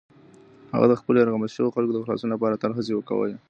هغه د خپلو یرغمل شویو خلکو د خلاصون لپاره تل هڅې کولې.